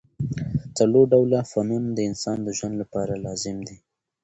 څلور ډوله فنون د انسان د ژوند له پاره لازم دي.